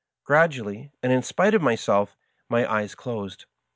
Gradually, and in spite of myself, my eyes closed.